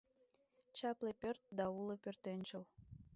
Чапле пӧрт да уло пӧртӧнчыл